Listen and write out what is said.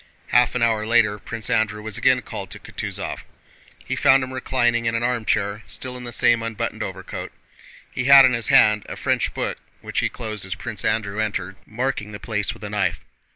Half an hour later Prince Andrew was again called to Kutúzov. He found him reclining in an armchair, still in the same unbuttoned overcoat. He had in his hand a French book which he closed as Prince Andrew entered, marking the place with a knife.